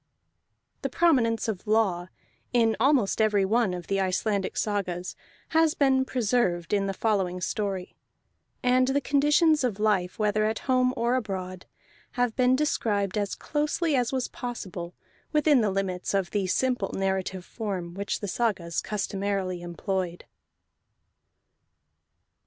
The prominence of law in almost every one of the Icelandic sagas has been preserved in the following story; and the conditions of life, whether at home or abroad, have been described as closely as was possible within the limits of the simple narrative form which the sagas customarily employed.